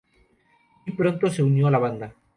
Muy pronto, se unió a la banda.